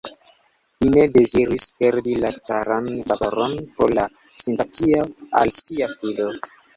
Li ne deziris perdi la caran favoron pro la simpatio al sia filo.